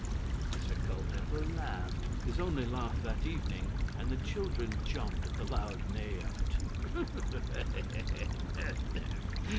Mr Culpeper laughed his only laugh that evening and the children jumped at the loud neigh of it.